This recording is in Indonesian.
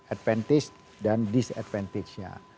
advantage dan disadvantage nya